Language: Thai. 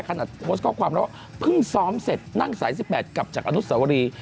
ขนาดโพสต์ข้อความแล้วว่าเพิ่งซ้อมเสร็จนั่งสาย๑๘กลับจากอนุสวรี